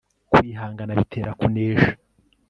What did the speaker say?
kwihangana bitera kunesha